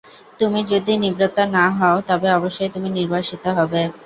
তুমি যদি নিবৃত্ত না হও, তবে অবশ্যই তুমি নির্বাসিত হবে।